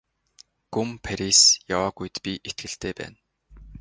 Гүн Парис яваагүйд би итгэлтэй байна.